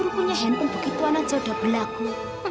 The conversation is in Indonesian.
lu punya handphone begitu anan sudah berlaku